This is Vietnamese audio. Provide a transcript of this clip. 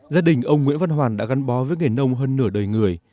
gia đình ông nguyễn văn hoàn đã gắn bó với nghề nông hơn nửa đời người